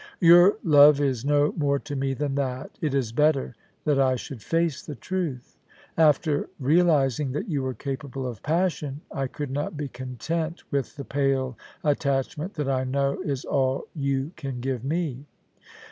Your love is no more to me than that; it is better that I should face the truth. After realising that you were capable of passion, I could not be content with the pale attachment that I know is all you can give me.